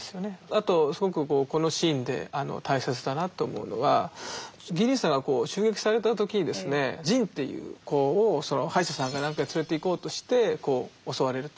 あとすごくこのシーンで大切だなと思うのはギー兄さんが襲撃された時にですねジンっていう子を歯医者さんかなんかに連れていこうとして襲われると。